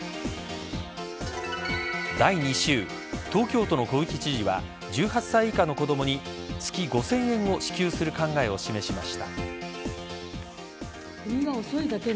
第２週東京都の小池知事は１８歳以下の子供に月５０００円を支給する考えを示しました。